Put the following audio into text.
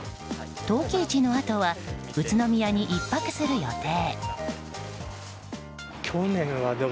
陶器市のあとは宇都宮に１泊する予定。